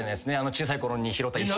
小さい頃に拾った石とか。